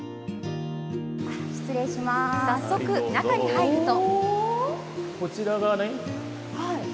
早速、中に入ると。